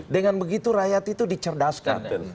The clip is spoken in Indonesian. dengan begitu rakyat itu dicerdaskan